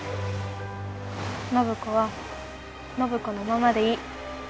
暢子は暢子のままでいい。